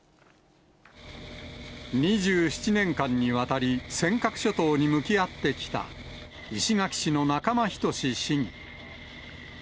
２７年間にわたり、尖閣諸島に向き合ってきた石垣市の仲間均市議。